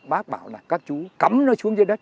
bác bảo là các chú cắm nó xuống dưới đất